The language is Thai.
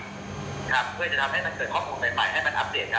เพื่อจะทำให้เห็นข้อมูลไปให้อัปเดต